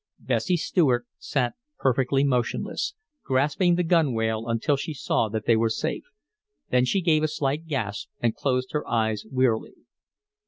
Bessie Stuart sat perfectly motionless, grasping the gunwale, until she saw that they were safe. Then she gave a slight gasp and closed her eyes wearily.